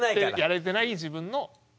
やれてない自分の２０点。